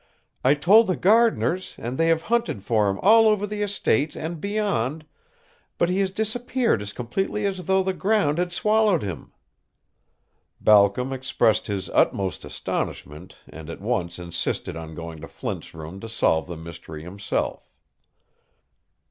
I told the gardeners, and they have hunted for him all over the estate and beyond, but he has disappeared as completely as though the ground had swallowed him." Balcom expressed his utmost astonishment and at once insisted on going to Flint's room to solve the mystery himself.